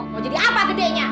mau jadi apa gedenya